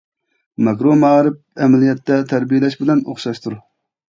ماكرو مائارىپ ئەمەلىيەتتە تەربىيەلەش بىلەن ئوخشاشتۇر.